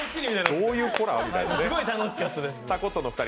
どういうホラーみたいなね。